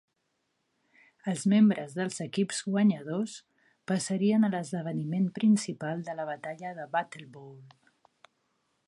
Els membres dels equips guanyadors passarien a l'esdeveniment principal de la batalla de BattleBowl.